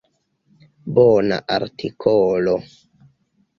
Bona artikolo.